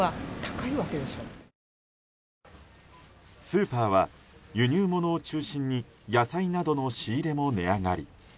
スーパーは輸入物を中心に野菜などの仕入れも値上がり。